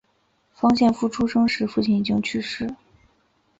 方献夫出生时父亲已经去世。